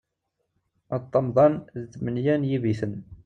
Aṭamḍan d tmenya n yibiten.